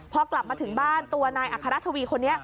พอกลับมาถึงบ้านตัวนายอัครทวีคนนี้